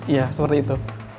ya seperti itu